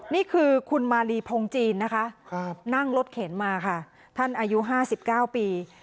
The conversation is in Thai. นี่คือคุณมาลีพงจีนนะคะนั่งรถเข็นมาค่ะท่านอายุ๕๙ปี